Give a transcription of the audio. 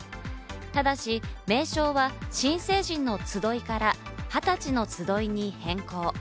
ただし名称は新成人のつどいから、二十歳のつどいに変更。